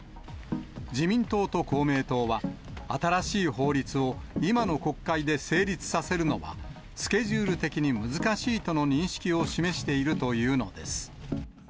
自民党と公明党は、新しい法律を今の国会で成立させるのは、スケジュール的に難しいとの認識を示しているというのです。